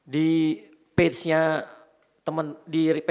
di bloomberg page nya bank indonesia bija juga ada